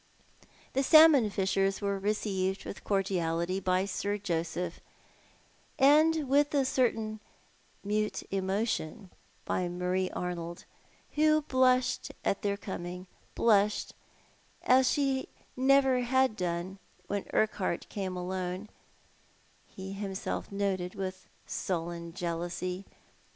The salmon fishers were received with cordiality by Sir Joseph, and with a certain mute emotion by Mario Arnold, who blushed at their coming, blushed as she had never done when Urquhart came alone, ho himself noted with sullen jealousy.